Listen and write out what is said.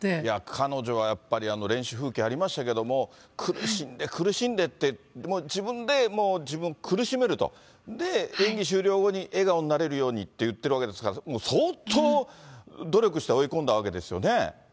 いや、彼女はやっぱり、練習風景ありましたけど、苦しんで苦しんでって、もう自分でもう自分を苦しめると、で、演技終了後に笑顔になれるようにって言ってるわけですから、もう相当努力して追い込んだわけですよね？